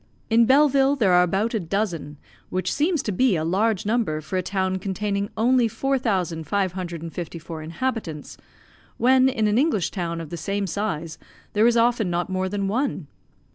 In Belleville there are about a dozen, which seems to be a large number for a town containing only 4554 inhabitants, when in an English town of the same size there is often not more than one.